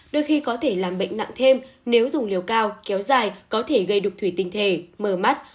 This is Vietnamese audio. đôi khi có thể làm bệnh nặng thêm nếu dùng liều cao kéo dài có thể gây đục thủy tinh thể mờ mắt